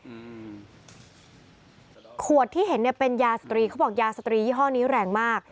อืมขวดที่เห็นเนี้ยเป็นยาสตรีเขาบอกยาสตรียี่ห้อนี้แรงมาก